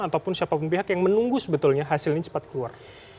ataupun siapapun pihak yang menunggu sebetulnya hasilnya cepat keluar